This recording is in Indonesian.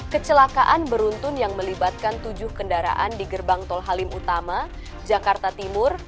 kecelakaan beruntun yang melibatkan tujuh kendaraan di gerbang tol halim utama jakarta timur